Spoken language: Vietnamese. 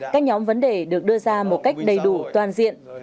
các nhóm vấn đề được đưa ra một cách đầy đủ toàn diện